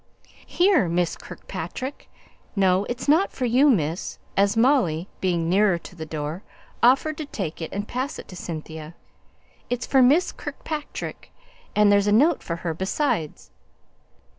"Here, Miss Kirkpatrick! No, it's not for you, miss!" as Molly, being nearer to the door, offered to take it and pass it to Cynthia. "It's for Miss Kirkpatrick; and there's a note for her besides!"